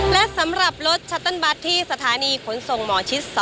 และสำหรับรถชัตเติ้ลบัตรที่สถานีขนส่งหมอชิด๒